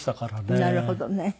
なるほどね。